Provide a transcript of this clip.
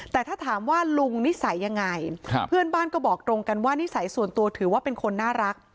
แต่ถ้าถามว่าลุงนิสัยยังไงเพื่อนบ้านก็บอกตรงกันว่านิสัยส่วนตัวถือว่าเป็นคนน่ารัก